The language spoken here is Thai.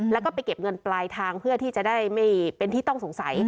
แล้วก็ไปเก็บเงินปลายทางเพื่อที่จะได้ไม่เป็นที่ต้องสงสัย